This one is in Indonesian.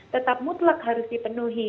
tetap mutlak harus dipenuhi